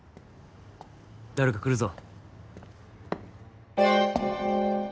・誰か来るぞ。